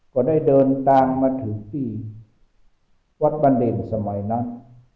ก็ได้เดินตามมาถึงที่วัดบรรเดรสมัยนั้น๒๕๓๔